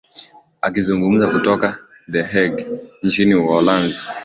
akizungumza kutoka the hague nchini uholanzi